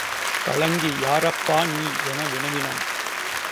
கலங்கி யாரப்பா நீ? என வினவினன்.